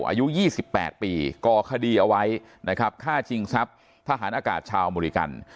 อายุ๒๘ปีก่อคดีเอาไว้นะครับฆ่าชิงทรัพย์ทหารอากาศชาวอเมริกัน